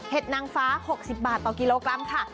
นางฟ้า๖๐บาทต่อกิโลกรัมค่ะ